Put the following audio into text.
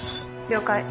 了解。